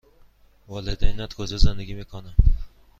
والدینت کجا زندگی می کنند؟